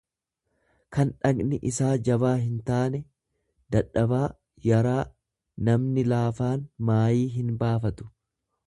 kan dhaqni isaa jabaa hintaane, dadhabaa, yaraa; Namni laafaan maayii hin baafatu.